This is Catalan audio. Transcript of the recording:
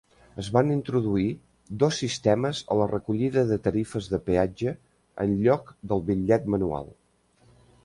Es van introduir dos sistemes a la recollida de tarifes de peatge en lloc del bitllet manual.